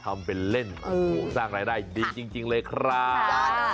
ทำเป็นเล่นโอ้โหสร้างรายได้ดีจริงเลยครับ